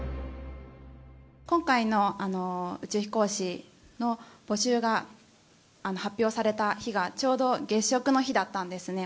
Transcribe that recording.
今回の宇宙飛行士の募集が発表された日が、ちょうど月食の日だったんですね。